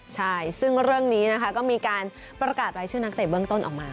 ใช่ซึ่งเรื่องนี้นะคะก็มีการประกาศรายชื่อนักเตะเบื้องต้นออกมา